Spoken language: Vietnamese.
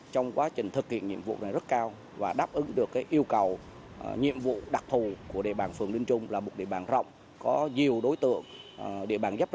trong quá trình thực hiện nhiệm vụ này rất cao và đáp ứng được yêu cầu nhiệm vụ đặc thù của địa bàn phường linh trung là một địa bàn rộng